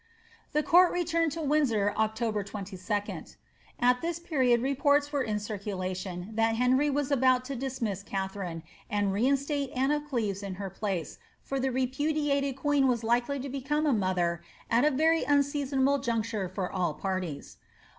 The court returned to Windsor October 22. At this period reports were in circulation that Henry was about to dismiss Katharine, and reinstate Anne of Cleves in her place, for the repudiated queen was likely to become a mother at a very unseasonable juncture for all parties.